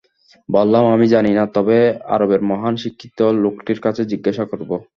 বললাম, আমি জানি না, তবে আরবের মহান শিক্ষিত লোকটির কাছে জিজ্ঞাসা করব।